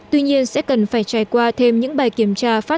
tuy nhiên sẽ cần phải trải qua thêm những bài kiểm tra phát